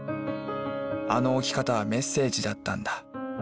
あの置き方はメッセージだったんだ。